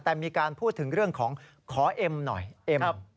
แต่มีการพูดถึงเรื่องของขอเอ็มหน่อยเอ็ม